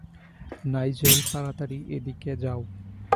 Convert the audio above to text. Nigel, তাড়াতাড়ি এদিক যাও।